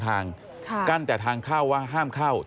ทางนิติกรหมู่บ้านแจ้งกับสำนักงานเขตประเวท